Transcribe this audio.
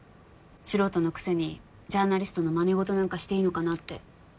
素人のくせにジャーナリストのまね事なんかしていいのかなって。